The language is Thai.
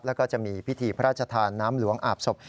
แล้วก็จะมีพิธีพระราชทานน้ำหลวงอาบศพ